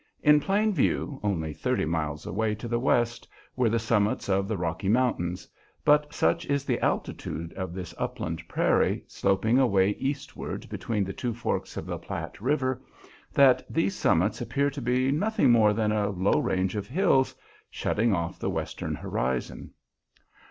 In plain view, only thirty miles away to the west, were the summits of the Rocky Mountains, but such is the altitude of this upland prairie, sloping away eastward between the two forks of the Platte River, that these summits appear to be nothing more than a low range of hills shutting off the western horizon.